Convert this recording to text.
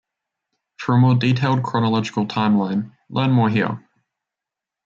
For a more detailed chronological timeline, learn more here.